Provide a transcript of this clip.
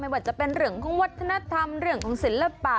ว่าจะเป็นเรื่องของวัฒนธรรมเรื่องของศิลปะ